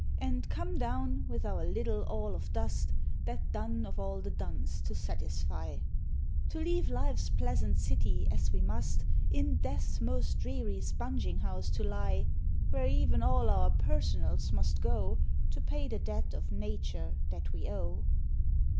And come down, with our little all of dust, That dun of all the duns to satisfy: To leave life's pleasant city as we must, In Death's most dreary spunging house to lie, Where even all our personals must go To pay the debt of nature that we owe!